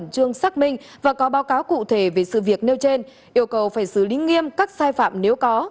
trường xác minh và có báo cáo cụ thể về sự việc nêu trên yêu cầu phải xử lý nghiêm các sai phạm nếu có